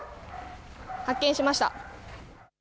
発見しました。